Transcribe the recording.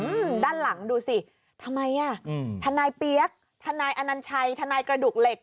อืมด้านหลังดูสิทำไมอ่ะอืมทนายเปี๊ยกทนายอนัญชัยทนายกระดูกเหล็ก